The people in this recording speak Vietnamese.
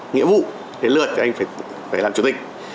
nghĩa vụ cái lượt thì anh phải làm chủ tịch